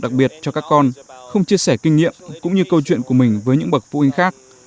đặc biệt cho các con không chia sẻ kinh nghiệm cũng như câu chuyện của mình với những bậc phụ huynh khác